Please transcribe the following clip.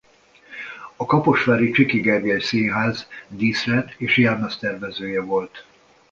A kaposvári Csiky Gergely Színház díszlet- és jelmeztervezője volt.